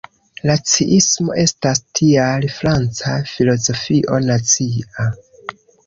Raciismo estas tial franca filozofio nacia.